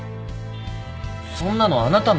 そんなのあなたのことが。